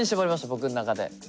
僕の中で。